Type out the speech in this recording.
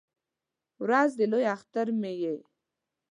ورځ د لوی اختر مې یې